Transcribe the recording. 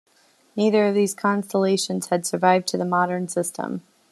Neither of these constellations has survived to the modern system.